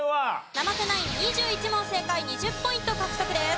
生瀬ナイン２１問正解２０ポイント獲得です。